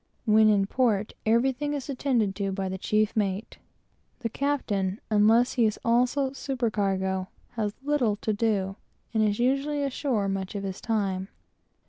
When in port, everything is attended to by the chief mate; the captain, unless he is also supercargo, has little to do, and is usually ashore much of his time.